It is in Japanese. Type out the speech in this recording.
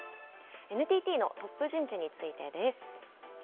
ＮＴＴのトップ人事についてです。